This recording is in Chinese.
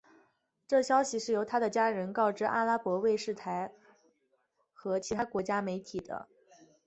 这消息是由他的家人告知阿拉伯卫视台和其他国际媒体的。